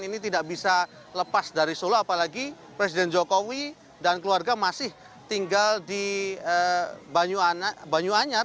ini tidak bisa lepas dari solo apalagi presiden jokowi dan keluarga masih tinggal di banyuanyar